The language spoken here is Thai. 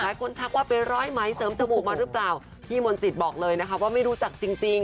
ทักว่าไปร้อยไหมเสริมจมูกมาหรือเปล่าพี่มนตรีบอกเลยนะคะว่าไม่รู้จักจริงจริง